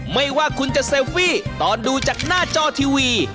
ไม่ว่าคุณจะเซลฟี่ตอนดูจากหน้าจอทีวี